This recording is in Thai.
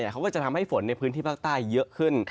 เขาก็จะทำให้ฝนในพื้นที่ภาคใต้เยอะขึ้น